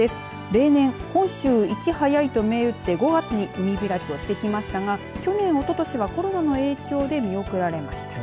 例年、本州一早いと銘打って５月に海開きをしていましたが去年おととしはコロナの影響で見送られました。